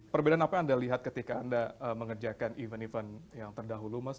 perbedaan apa yang anda lihat ketika anda mengerjakan event event yang terdahulu mas